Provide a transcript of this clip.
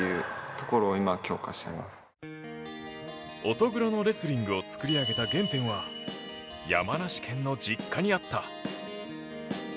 乙黒のレスリングを作り上げた原点は山梨県の実家にあった。